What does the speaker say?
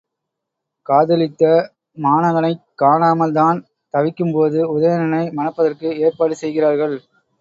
காதலித்த மாணகனைக் காணாமல் தான் தவிக்கும்போது, உதயணனை மணப்பதற்கு ஏற்பாடு செய்கிறார்கள்.